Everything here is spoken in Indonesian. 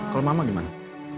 kalau mama gimana